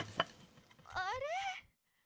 あれ？